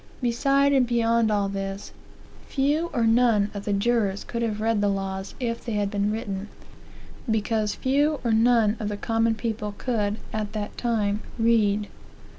Beside and beyond all this, few or none of the jurors could have read the laws, if they had been written; because few or none of the common people could, at thattime, read.